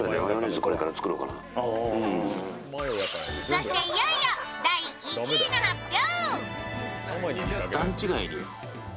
そして、いよいよ第１位の発表。